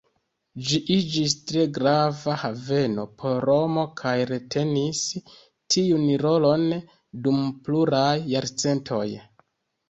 Ĝi iĝis tre grava haveno por Romo kaj retenis tiun rolon dum pluraj jarcentoj.